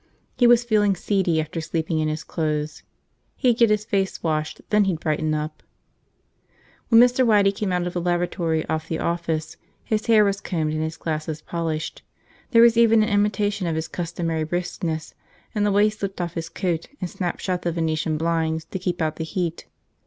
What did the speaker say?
He was feeling seedy after sleeping in his clothes. He'd get his face washed, then he'd brighten up. When Mr. Waddy came out of the lavatory off the office, his hair was combed and his glasses polished. There was even an imitation of his customary briskness in the way he slipped on his coat and snapped shut the Venetian blinds to keep out the heat.